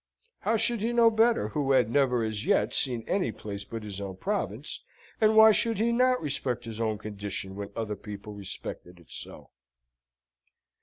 How should he know better, who had never as yet seen any place but his own province, and why should he not respect his own condition when other people respected it so?